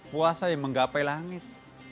puasa yang menggapai langit